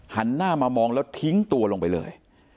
หันหน้ามามองแล้วทิ้งตัวลงไปเลย